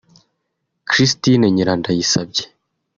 Christine Nyirandayisabye